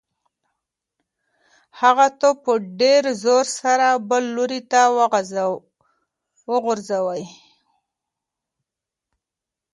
هغه توپ په ډېر زور سره بل لوري ته وغورځاوه.